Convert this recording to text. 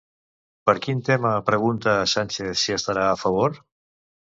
Per quin tema pregunta a Sánchez si estarà a favor?